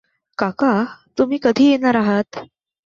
काका तुम्ही कधी येणार आहात?